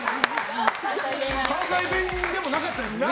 関西弁でもなかったですよね